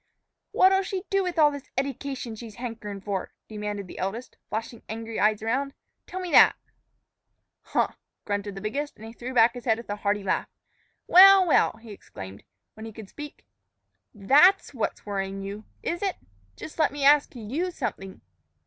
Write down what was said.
"What'll she do with all this eddication she's hankerin' for?" demanded the eldest, flashing angry eyes around. "Tell me that." "Huh!" grunted the biggest, and he threw back his head with a hearty laugh. "Well! well!" he exclaimed, when he could speak; "that's what's worrying you, is it! Jus' let me ask you something.